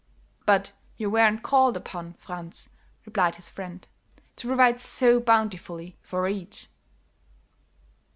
"But you weren't called upon, Franz," replied his friend, "to provide so bountifully for each."